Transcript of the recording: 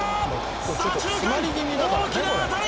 左中間に大きな当たり！